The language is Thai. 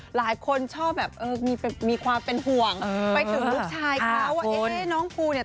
หลายคนชอบแบบเออมีความเป็นห่วงไปถึงลูกชายเขาว่าเอ๊ะน้องภูเนี่ย